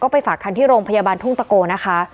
ไปฝากคันที่โรงพยาบาลทุ่งตะโกนะคะ